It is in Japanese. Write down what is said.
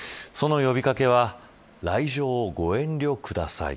その呼び掛けは来場をご遠慮ください。